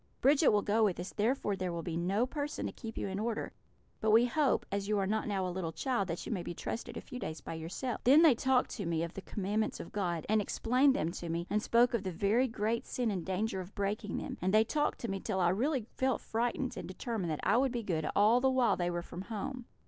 Bridget will go with us, therefore there will be no person to keep you in order; but we hope, as you are not now a little child, that you may be trusted a few days by yourself.' "Then they talked to me of the Commandments of God, and explained them to me, and spoke of the very great sin and danger of breaking them; and they talked to me till I really felt frightened, and determined that I would be good all the while they were from home.